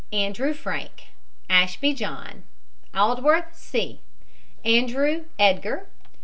ANDREW, FRANK. ASHBY, JOHN. ALDWORTH, C. ANDREW, EDGAR.